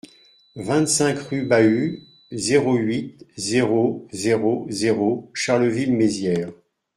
vingt-cinq rue Bahut, zéro huit, zéro zéro zéro Charleville-Mézières